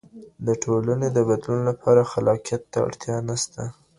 د ټولنې د بدلون لپاره خلاقیت ته اړتیا نسته.